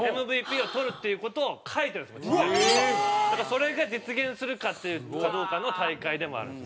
それが実現するかどうかの大会でもあるんですよね。